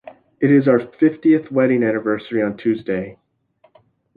It's our fiftieth wedding anniversary on Tuesday.